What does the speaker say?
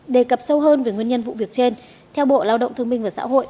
đề cập sâu hơn về nguyên nhân vụ việc trên theo bộ lao động thương minh và xã hội